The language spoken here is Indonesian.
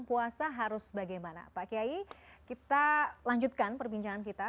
pak kiai kita lanjutkan perbincangan kita